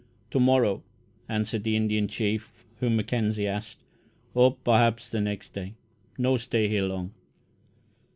"To morrow," answered the Indian chief whom Mackenzie asked, "or perhaps the next day. No stay here long."